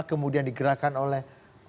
kemudian digerakkan oleh